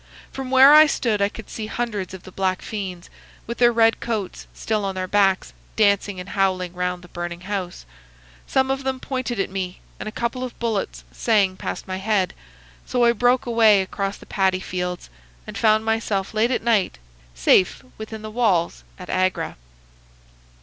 From where I stood I could see hundreds of the black fiends, with their red coats still on their backs, dancing and howling round the burning house. Some of them pointed at me, and a couple of bullets sang past my head; so I broke away across the paddy fields, and found myself late at night safe within the walls at Agra.